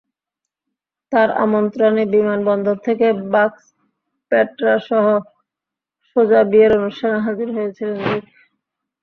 তাঁর আমন্ত্রণে বিমানবন্দর থেকে বাক্সপেটরাসহ সোজা বিয়ের অনুষ্ঠানে হাজির হয়েছিলেন রুথ।